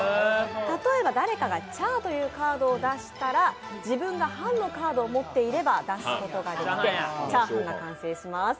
例えば誰かが「チャー」というカードを出したら自分がハンのカードを持っていれば出すことができチャーハンが完成します。